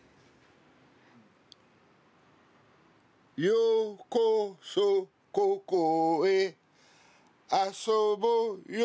ようこそここへ遊ぼうよ